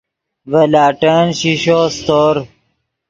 ڤے لاٹین شیشو سیتور